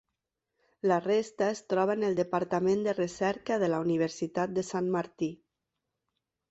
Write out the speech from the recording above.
La resta es troba en el Departament de Recerca de la Universitat de Sant Martí.